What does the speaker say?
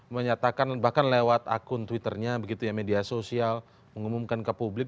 menyatakan bahkan lewat akun twitternya begitu ya media sosial mengumumkan ke publik